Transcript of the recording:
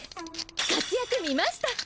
活躍見ました！